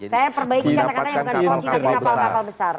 saya perbaiki kata katanya bukan dikunci tapi dapat kapal besar